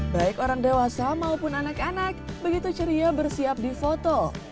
baik orang dewasa maupun anak anak begitu ceria bersiap di foto